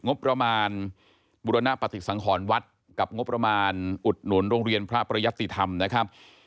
งบประมาณบุรณปฏิสังหรณ์วัดกับงบประมาณอุดหนุนโรงเรียนพระประยัตติธรรมนะครับ